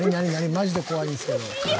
マジで怖いんですけど。